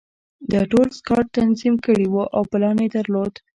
دا ټول سکاټ تنظیم کړي وو او پلان یې درلود